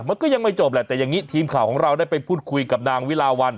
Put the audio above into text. มันก็ยังไม่จบแหละแต่อย่างนี้ทีมข่าวของเราได้ไปพูดคุยกับนางวิลาวัน